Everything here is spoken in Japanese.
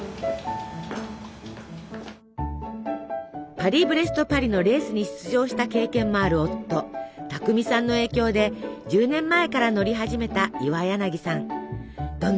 「パリ・ブレスト・パリ」のレースに出場した経験もある夫巧さんの影響で１０年前から乗り始めた岩柳さん。